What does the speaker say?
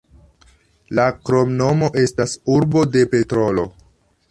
La kromnomo estas "urbo de petrolo".